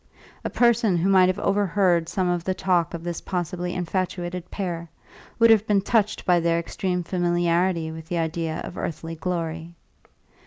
A person who might have overheard some of the talk of this possibly infatuated pair would have been touched by their extreme familiarity with the idea of earthly glory.